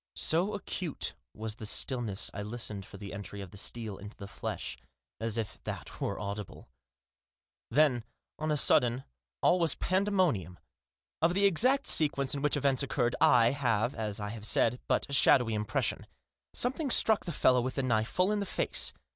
So acute was the stillness I listened for the entry of the steel into the flesh — as if that were audible ! Then, on a sudden, all was pandemonium. Of the exact sequence in which events occurred, I have, as I have said, but a shadowy impression. Something struck the fellow with the knife full in the face.